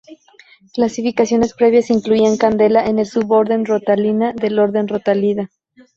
Clasificaciones previas incluían "Candela" en el suborden Rotaliina del orden Rotaliida.